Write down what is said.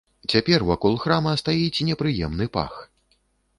Цяпер вакол храма стаіць непрыемны пах.